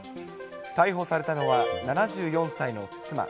逮捕されたのは７４歳の妻。